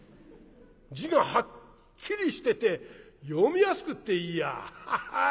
字がはっきりしてて読みやすくていいやハハ。